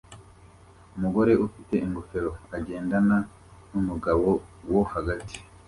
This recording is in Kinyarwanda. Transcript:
Umugore ufite ingofero agendana numugabo wo hagati